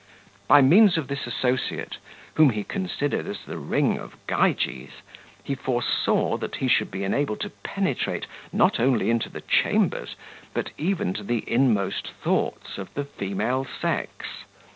By means of this associate, whom he considered as the ring of Gyges, he foresaw, that he should be enabled to penetrate, not only into the chambers, but even to the inmost thoughts of the female sex.